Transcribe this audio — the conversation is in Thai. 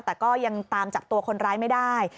แต่ก็ยังตามจับตัวคนร้ายไม่ได้